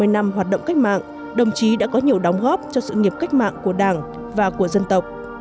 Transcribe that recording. ba mươi năm hoạt động cách mạng đồng chí đã có nhiều đóng góp cho sự nghiệp cách mạng của đảng và của dân tộc